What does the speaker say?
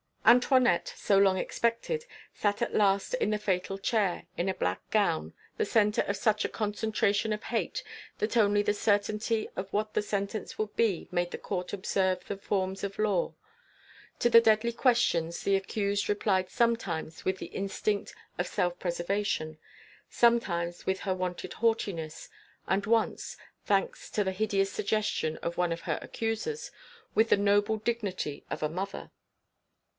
Antoinette, so long expected, sat at last in the fatal chair, in a black gown, the centre of such a concentration of hate that only the certainty of what the sentence would be made the court observe the forms of law. To the deadly questions the accused replied sometimes with the instinct of self preservation, sometimes with her wonted haughtiness, and once, thanks to the hideous suggestion of one of her accusers, with the noble dignity of a mother.